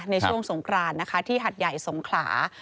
ในช่วงสงครานนะคะที่หัดใหญ่สงขลา